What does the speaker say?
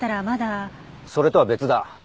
それとは別だ。